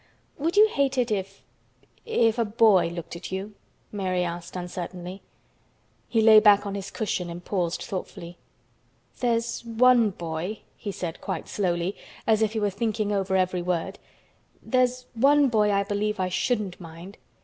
"Would you hate it if—if a boy looked at you?" Mary asked uncertainly. He lay back on his cushion and paused thoughtfully. "There's one boy," he said quite slowly, as if he were thinking over every word, "there's one boy I believe I shouldn't mind.